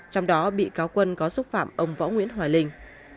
trong đó bị cáo quân có xúc phạm ông võ nguyễn hoài linh